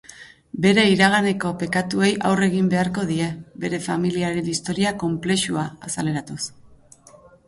Bere iraganeko pekatuei aurre egin beharko die, bere familiaren historia konplexua azaleratuz.